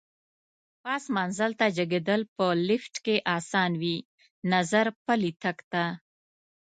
پاس منزل ته جګېدل په لېفټ کې اسان وي، نظر پلي تګ ته.